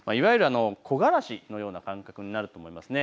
いわゆる木枯らしのような感覚になると思います。